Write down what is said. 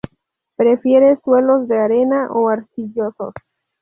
Prefiere suelos de arena, o arcillosos.